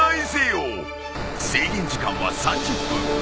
制限時間は３０分。